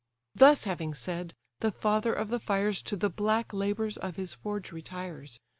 Thus having said, the father of the fires To the black labours of his forge retires.